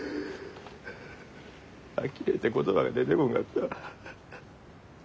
あきれて言葉が出てこんかったわ。